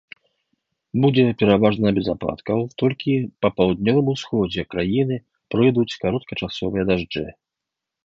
Будзе пераважна без ападкаў, толькі па паўднёвым усходзе краіны пройдуць кароткачасовыя дажджы.